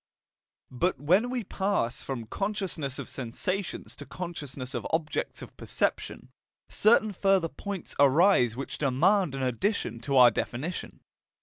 But when we pass from consciousness of sensations to consciousness of objects of perception, certain further points arise which demand an addition to our definition.